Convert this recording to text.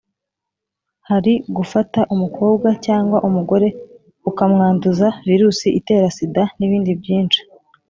hari gufata umukobwa cyangwa umugore ukamwanduza virusi itera sida n’ibindi byinshi.